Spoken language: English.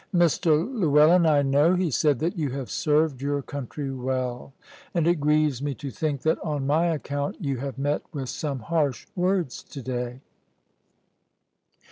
"Mr Llewellyn, I know," he said, "that you have served your country well; and it grieves me to think that on my account you have met with some harsh words to day."